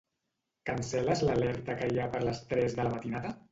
Cancel·les l'alerta que hi ha per les tres de la matinada?